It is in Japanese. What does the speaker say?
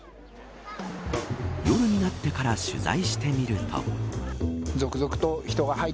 夜になってから取材してみると。